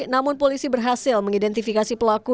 namun polisi berhasil mengidentifikasi pelaku